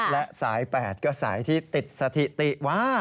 และสาย๘ก็สายที่ติดสถิติว่า